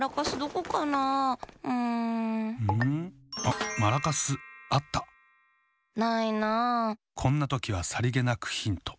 こんなときはさりげなくヒント。